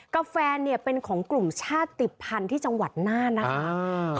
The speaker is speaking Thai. กาแฟเนี่ยเป็นของกลุ่มชาติภัณฑ์ที่จังหวัดน่านนะคะ